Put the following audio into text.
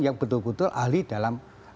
yang betul betul ahli dalam